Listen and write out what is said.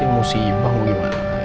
ini musibah wih